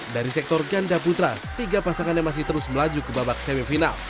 dari sektor ganda putra tiga pasangan yang masih terus melaju ke babak semifinal